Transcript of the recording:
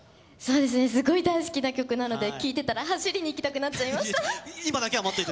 すごく大好きな曲なので聴いてら走りに行きたくなっちゃいました。